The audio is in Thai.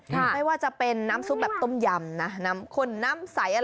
ไม่ว่าจะเป็นน้ำซุปแบบต้มยำนะน้ำข้นน้ำใสอะไร